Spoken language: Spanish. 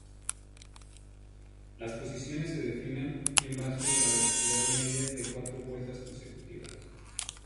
Las posiciones se definen en base de la velocidad media de cuatro vueltas consecutivas.